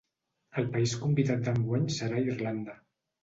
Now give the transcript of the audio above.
El país convidat d’enguany serà Irlanda.